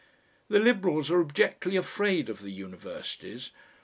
The Liberals are abjectly afraid of the universities.